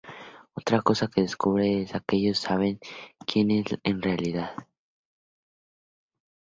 Otra cosa que descubre es que ellos saben quien es el en realidad.